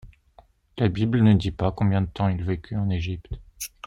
La Bible ne dit pas combien de temps il vécut en Egypte.